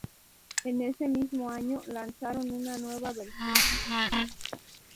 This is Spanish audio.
En ese mismo año, lanzaron una nueva versión de un clásico.